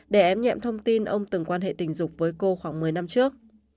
để ém nhẹm thông tin ông từng quan hệ tình dục với cô khoảng một mươi năm trước